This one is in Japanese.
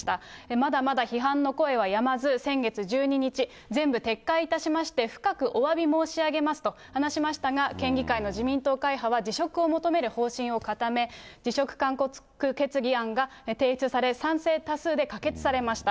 まだまだ批判の声はやまず、先月１２日、全部撤回いたしまして、深くおわび申し上げますと話しましたが、県議会の自民党会派は辞職を求める方針を固め、辞職勧告決議案が提出され、賛成多数で可決されました。